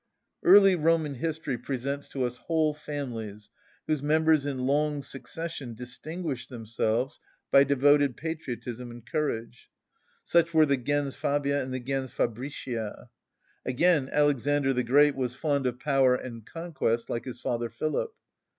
Early Roman history presents to us whole families whose members in long succession distinguished themselves by devoted patriotism and courage; such were the gens Fabia and the gens Fabricia. Again, Alexander the Great was fond of power and conquest, like his father Philip.